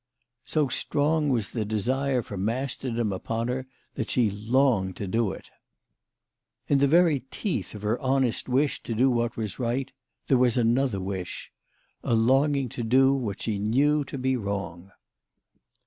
So strong was the desire for masterdom upon her that she longed to do it. In the very teeth of her honest wish to do what was right, there was another wish a long 180 THE LADY OF LAUNAY. ing to do what she knew to be wrong.